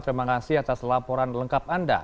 terima kasih atas laporan lengkap anda